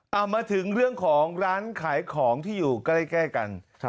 เอามาถึงเรื่องของร้านขายของที่อยู่ใกล้กัน